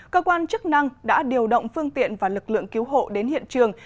cơ quan chức năng đã điều động phương tiện và lực lượng cứu hộ đến hiện trường